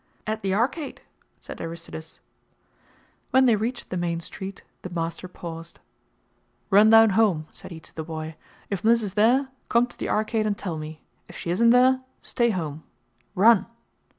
"At the Arcade," said Aristides. When they reached the main street the master paused. "Run down home," said he to the boy. "If Mliss is there, come to the Arcade and tell me. If she isn't there, stay home; run!"